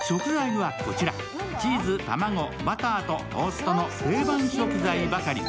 チーズ、卵、バターと、トーストの定番食材ばかり。